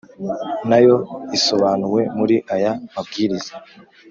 nayo isobanuwe muri aya mabwiriza